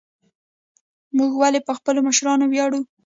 موږ ولې په خپلو مشرانو ویاړو؟